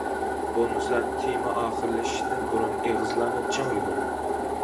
بولمىسا تېما ئاخىرلىشىشتىن بۇرۇن ئېغىزلارنى چىڭ يۇمۇڭ!